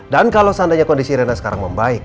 kalau seandainya kondisi rena sekarang membaik